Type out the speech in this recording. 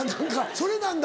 それなんだ。